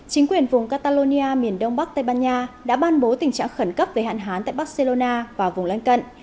chính quyền vùng catalonia miền đông bắc tây ban nha đã ban bố tình trạng khẩn cấp về hạn hán tại barcelona và vùng lân cận